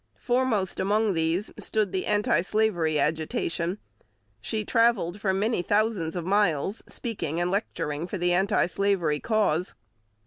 Foremost among these stood the anti slavery agitation; she travelled many thousands of miles, speaking and lecturing for the anti slavery cause.